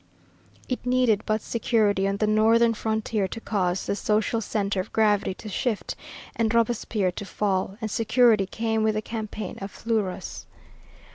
It needed but security on the northern frontier to cause the social centre of gravity to shift and Robespierre to fall, and security came with the campaign of Fleurus.